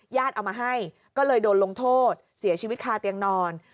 เอามาให้ก็เลยโดนลงโทษเสียชีวิตคาเตียงนอน